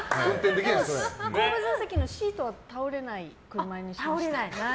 後部座席のシートは倒れない車にしました。